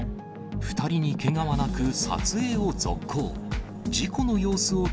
２人にけがはなく、撮影を続行。